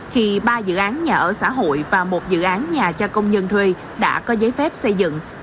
khi ba dự án nhà ở xã hội và một dự án nhà cho công nhân thuê đã có giấy phép xây dựng